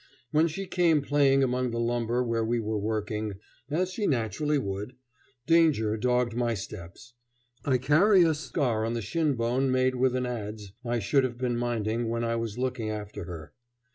When she came playing among the lumber where we were working, as she naturally would, danger dogged my steps. I carry a scar on the shin bone made with an adze I should have been minding when I was looking after her.